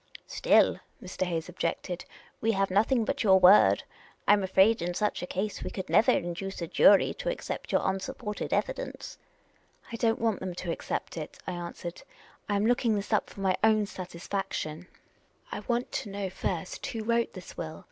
" Still," Mr. Hayes objected, " we have nothing but your word. I 'm afraid, in such a case, we could never induce a jury to accept your unsupported evidence." " I don't want them to accept it," I answered. " I am looking this up for my own satisfaction. I want to know, 3^4 Miss Cayley's Adventures first, who wrote this will.